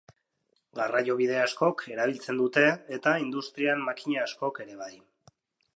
Garraiobide askok erabiltzen dute, eta industrian makina askok ere bai.